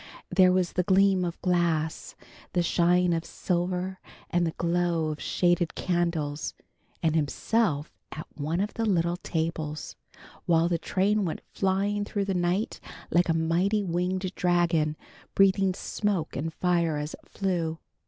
There was the gleam of glass, the shine of silver, the glow of shaded candles, and himself at one of the little tables, while the train went flying through the night like a mighty winged dragon, breathing smoke and fire as it flew.